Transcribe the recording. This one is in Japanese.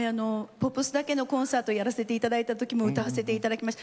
ポップスだけのコンサートをやらせて頂いた時も歌わせて頂きました。